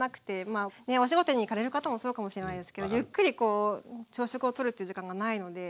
ねっお仕事に行かれる方もそうかもしれないですけどゆっくりこう朝食を取るという時間がないので。だよね。